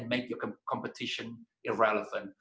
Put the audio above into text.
dan membuat pertempuran anda tidak relevan